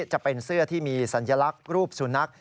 จะเป็นเสื้อที่มีสัญลักษณ์รูปสุนัข